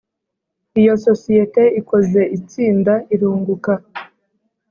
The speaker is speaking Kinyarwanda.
Iyo sosiyete ikoze itsinda irunguka